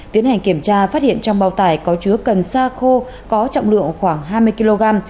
tiến hành kiểm tra phát hiện trong bao tải có chứa cần xa khô có trọng lượng khoảng hai mươi kg